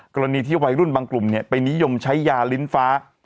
กรณีที่วัยรุ่นบางกลุ่มไปนิยมใช้ยาลิ้นฟ้า